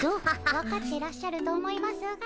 分かってらっしゃると思いますが。